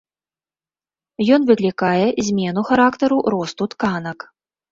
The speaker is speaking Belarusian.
Ён выклікае змену характару росту тканак.